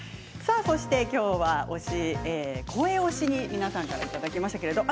今日は、声推しに皆さんからいただきました。